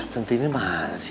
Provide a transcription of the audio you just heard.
tentu ini mana sih